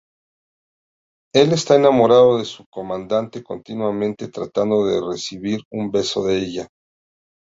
Él está enamorado de su Comandante, continuamente tratando de recibir un beso de ella.